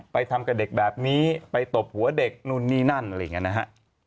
ไปทำกับเด็กแบบนี้ไปตบหัวเด็กนู่นนี่นั่นอะไรอย่างนี้นะฮะ